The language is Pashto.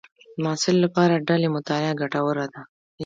د محصل لپاره ډلې مطالعه ګټوره ده.